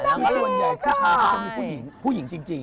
คือส่วนใหญ่ผู้ชายก็จะมีผู้หญิงผู้หญิงจริง